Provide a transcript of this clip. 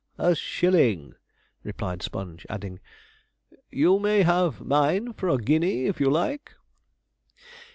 'A shilling,' replied Sponge, adding, 'you may have mine for a guinea if you like.'